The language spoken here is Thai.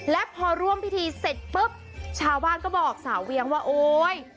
และพอร่วมพิธีเสร็จปุ๊บชาวบ้านก็บอกสาวเวียงว่าโอ๊ย